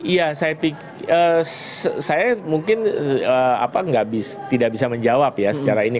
iya saya mungkin tidak bisa menjawab ya secara ini